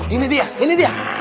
ini dia ini dia